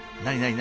何？